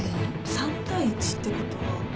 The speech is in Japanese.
３対１ってことは。